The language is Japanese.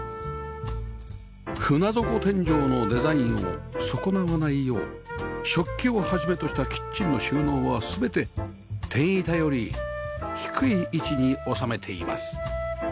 船底天井のデザインを損なわないよう食器を始めとしたキッチンの収納は全て天板より低い位置に収めています